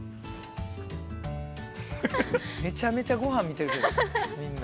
めちゃめちゃごはん見てるけどみんな。